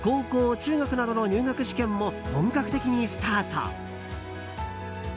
中学などの入学試験も本格的にスタート。